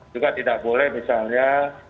juga tidak boleh misalnya